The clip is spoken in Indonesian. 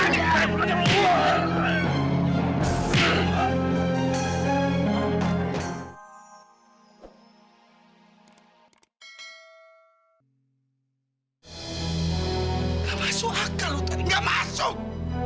gak masuk akal kalau tadi gak masuk